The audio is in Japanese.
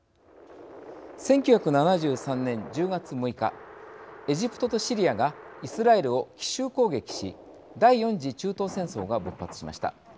１９７３年１０月６日エジプトとシリアがイスラエルを奇襲攻撃し第４次中東戦争が勃発しました。